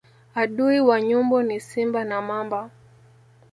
Adui wa nyumbu ni simba na mamba